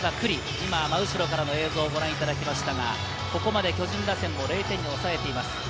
今、真後ろからの映像をご覧いただきましたが、ここまで巨人打線を０点に抑えています。